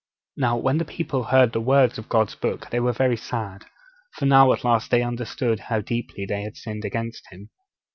Now when the people heard the words of God's Book they were very sad; for now at last they understood how deeply they had sinned against Him.